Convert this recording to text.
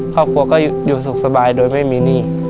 ครอบครัวก็อยู่สุขสบายโดยไม่มีหนี้